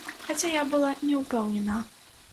Хаця я была не ўпэўнена.